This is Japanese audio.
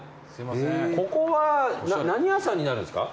ここは何屋さんになるんですか？